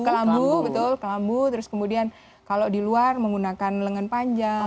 kelambu betul kelambu terus kemudian kalau di luar menggunakan lengan panjang